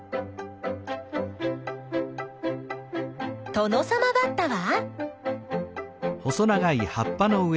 トノサマバッタは？